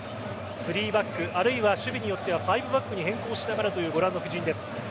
３バックあるいは守備によっては５バックに変更しながらというご覧の布陣です。